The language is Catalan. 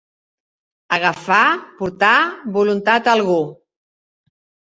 Agafar, portar, voluntat a algú.